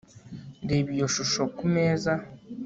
Reba iyo shusho kumeza